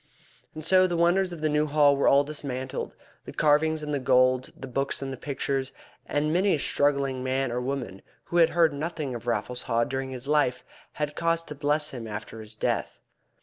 And so the wonders of the New Hall were all dismantled, the carvings and the gold, the books and the pictures, and many a struggling man or woman who had heard nothing of Raffles Haw during his life had cause to bless him after his death.